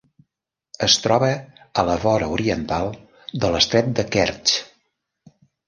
Es troba a la vora oriental de l'estret de Kertx.